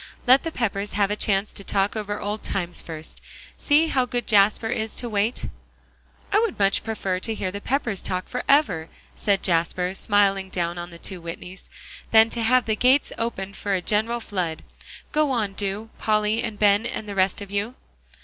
"Let the Peppers have a chance to talk over old times first. See how good Jasper is to wait." "I would much prefer to hear the Peppers talk forever," said Jasper, smiling down on the two Whitneys, "than to have the gates opened for a general flood. Go on, do, Polly and Ben, and the rest of you."